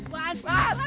bisa the dalam